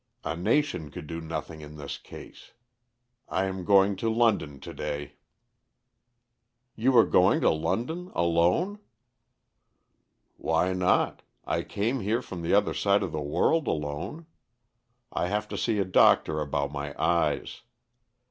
A nation could do nothing in this case. I am going to London to day." "You are going to London alone?" "Why not? I came here from the other side of the world alone. I have to see a doctor about my eyes.